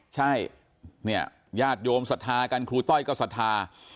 ใช่เนี่ยญาติโยมศรัทธากันครูต้อยก็ศรัทธา